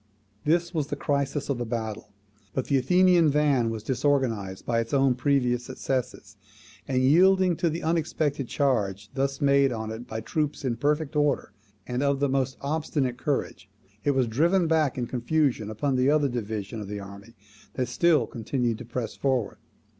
This was the crisis of the battle. But the Athenian van was disorganized by its own previous successes; and, yielding to the unexpected charge thus made on it by troops in perfect order, and of the most obstinate courage, it was driven back in confusion upon the other divisions of the army that still continued to press forward.